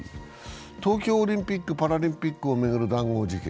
東京オリンピック・パラリンピックを巡る談合事件。